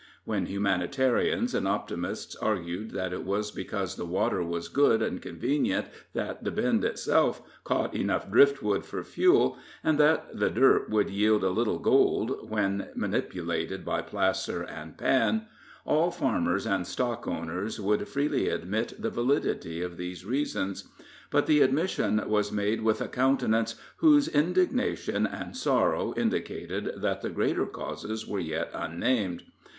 When humanitarians and optimists argued that it was because the water was good and convenient, that the Bend itself caught enough drift wood for fuel, and that the dirt would yield a little gold when manipulated by placer and pan, all farmers and stockowners would freely admit the validity of these reasons; but the admission was made with a countenance whose indignation and sorrow indicated that the greater causes were yet unnamed.